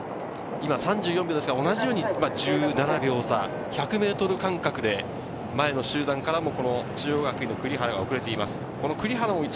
今３４秒ですが、同じように１７秒差、１００ｍ間隔で前の集団から中央学院・栗原が遅れています。